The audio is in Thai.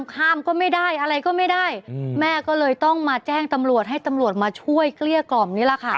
ข้ามก็ไม่ได้อะไรก็ไม่ได้แม่ก็เลยต้องมาแจ้งตำรวจให้ตำรวจมาช่วยเกลี้ยกล่อมนี่แหละค่ะ